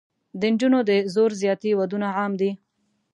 د نجونو د زور زیاتي ودونه عام دي.